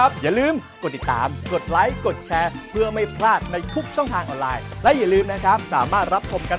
สวัสดีครับ